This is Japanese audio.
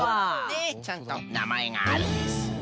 でちゃんとなまえがあるんです。